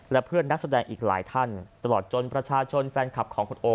และเพื่อนนักแสดงอีกหลายท่านตลอดจนประชาชนแฟนคลับของคุณโอ